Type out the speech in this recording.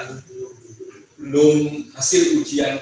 belum hasil ujian